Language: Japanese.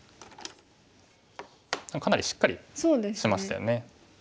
かなりしっかりしましたよね。